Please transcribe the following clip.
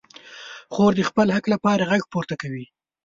خور د خپل حق لپاره غږ پورته کوي.